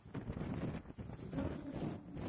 To go to the dogs